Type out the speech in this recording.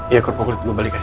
iya kok gue balik ya